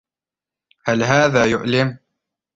هل هذا يؤلم؟